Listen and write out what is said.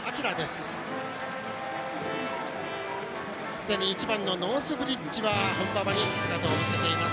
すでに１番のノースブリッジは本馬場に姿を見せています。